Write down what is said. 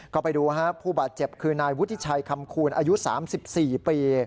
ก็ไปดูผู้บาดเจ็บคือนายวุฒิชัยคำคูณอายุ๓๔ปี